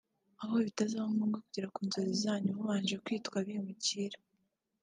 Aho bitazaba ngombwa kugera ku nzozi zanyu mubanje kwitwa abimukira